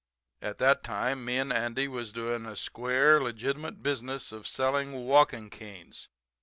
At that time me and Andy was doing a square, legitimate business of selling walking canes.